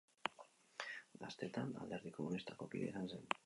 Gaztetan, Alderdi Komunistako kidea izan zen.